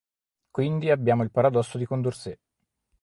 Quindi abbiamo il paradosso di Condorcet.